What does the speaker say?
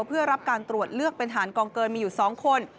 เพื่อรับการตรวจเลือกเป็นฐานกองเกินมีอยู่๒คน